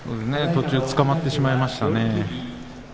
途中つかまってしまいましたね。